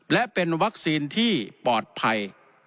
และเป็นวัคซีนที่ปลอดภัย